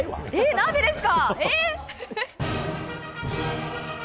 何でですか！